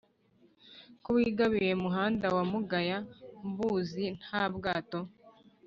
ko wigabiye muhanda wa mugaya-mbuzi nta bwato